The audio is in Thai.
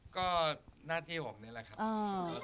ก็หน้าที่ห่วงนั้นแหละครับ